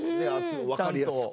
分かりやすく。